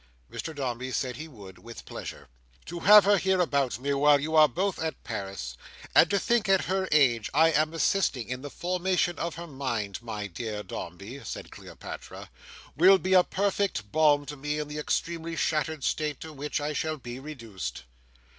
Mr Dombey said he would, with pleasure. "To have her about me, here, while you are both at Paris, and to think at her age, I am assisting in the formation of her mind, my dear Dombey," said Cleopatra, "will be a perfect balm to me in the extremely shattered state to which I shall be reduced."